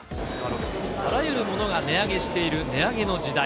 あらゆるものが値上げしている値上げの時代。